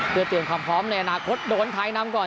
เพื่อเตรียมความพร้อมในอนาคตโดนไทยนำก่อน